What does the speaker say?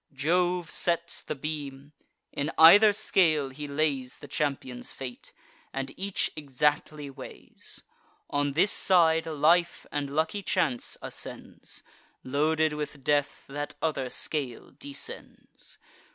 Jove sets the beam; in either scale he lays The champions' fate, and each exactly weighs. On this side, life and lucky chance ascends; Loaded with death, that other scale descends.